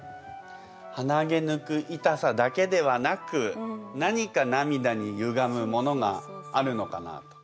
はなげ抜くいたさだけではなく何かなみだにゆがむものがあるのかなあと。